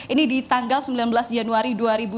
ini di tanggal sembilan belas januari dua ribu dua puluh